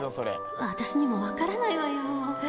私にも分からないわよ